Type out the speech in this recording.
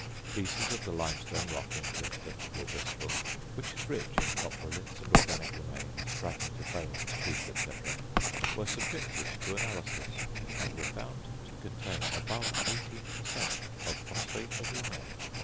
Pieces of the limestone rock in Clifton, near Bristol, which is rich in coprolithes and organic remains, fragments of bones, teeth, &c., were subjected to analysis, and were found to contain above 18 per cent. of phosphate of lime.